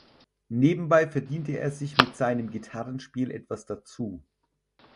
Nebenbei verdiente er sich mit seinem Gitarrenspiel etwas dazu.